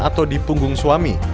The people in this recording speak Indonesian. atau di punggung suami